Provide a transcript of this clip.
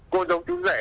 chứ cô giống chú rể